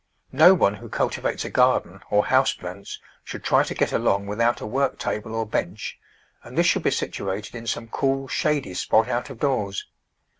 No one who cul tivates a garden, or house plants, should try to get along without a work table or bench, and this should be situated in some cool, shady spot out of doors.